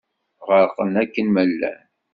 Ɣerqen akken ma llan.